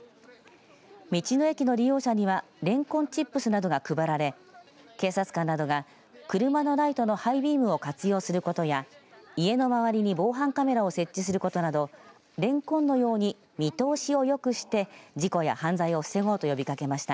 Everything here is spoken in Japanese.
道の駅の利用者にはレンコンチップスなどが配られ警察官などが車のライトのハイビームを活用することや家の周りに防犯カメラを設置することなどレンコンのように見通しを良くして事故や犯罪を防ごうと呼びかけました。